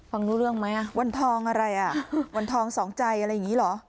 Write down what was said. รู้เรื่องไหมวันทองอะไรอ่ะวันทองสองใจอะไรอย่างนี้เหรอ